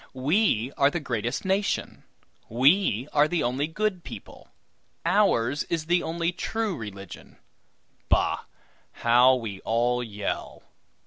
We are the greatest nation. We are the only good people. Ours is the only true religion. Bah! how we all yell!